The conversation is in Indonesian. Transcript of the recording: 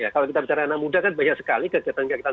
kalau kita bicara anak muda kan banyak sekali kegiatan kegiatan